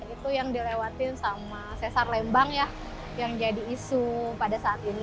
itu yang dilewatin sama sesar lembang ya yang jadi isu pada saat ini